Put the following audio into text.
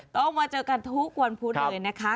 ต้องมาเจอกันทุกวันพุธเลยนะคะ